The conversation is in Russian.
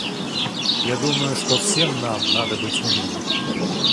Я думаю, что всем нам надо быть умными.